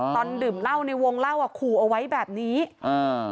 ตอนดื่มเหล้าในวงเล่าอ่ะขู่เอาไว้แบบนี้อ่า